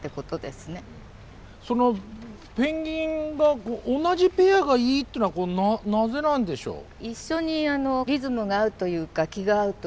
そのペンギンが同じペアがいいってのはなぜなんでしょう？